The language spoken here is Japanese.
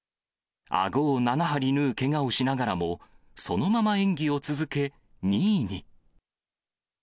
あごを７針縫うけがをしながらも、そのまま演技を続け、２位に。